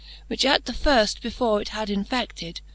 Which at the firft, before it had infeded.